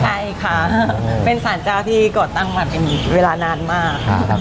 ใช่ค่ะเป็นสารเจ้าที่ก่อตั้งมาเป็นเวลานานมาก